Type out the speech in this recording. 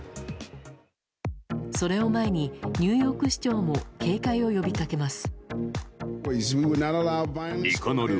それを前に、ニューヨーク市長も警戒を呼びかけます。